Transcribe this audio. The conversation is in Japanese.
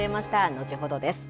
後ほどです。